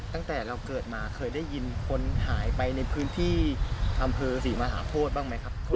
ตั้งแต่เราเกิดมาเคยได้ยินคนหายไปในพื้นที่อำเภอศรีมหาโพธิบ้างไหมครับ